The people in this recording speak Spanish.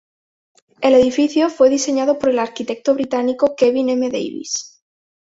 El edificio fue diseñado por el arquitecto británico Kevin M Davies.